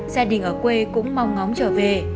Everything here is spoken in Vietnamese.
gia đình ở quê cũng mong ngóng trở về